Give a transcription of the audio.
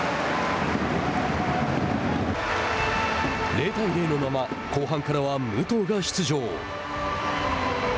０対０のまま後半からは武藤が出場。